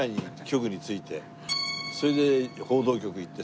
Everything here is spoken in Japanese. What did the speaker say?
それで報道局行って。